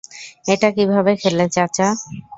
এটা কিভাবে খেলে চাচা?